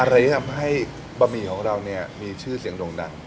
อะไรที่ทำให้บะหมี่ของเราเนี่ยมีชื่อเสียงโด่งดัง